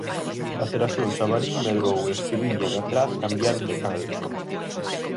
A Xeración Xabarín medrou e os que viñan atrás cambiaron de canle.